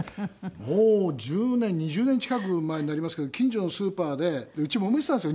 もう１０年２０年近く前になりますけど近所のスーパーでうちもめてたんですよ